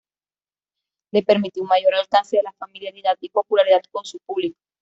Le permitió un mayor alcance de la familiaridad y popularidad con su público.